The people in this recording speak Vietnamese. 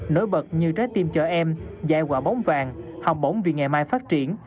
nổi bật như trái tim cho em giải quà bóng vàng học bổng vì ngày mai phát triển